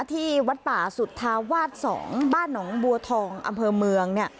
ที่วัดป่าสุธาวาส๒บ้านหนองบัวทองอำเภอเมือง